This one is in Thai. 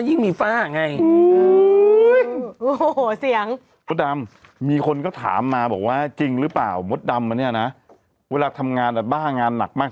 ถนนไม่ใช่ถนนอุ๊ย